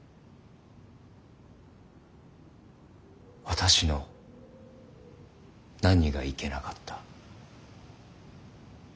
私の何がいけなかった。